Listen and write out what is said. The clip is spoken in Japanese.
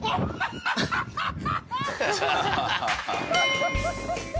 ハハハハ！